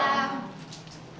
selamat malam dok